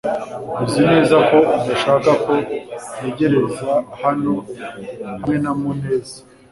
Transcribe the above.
Uzi neza ko udashaka ko ntegereza hano hamwe na Muneza?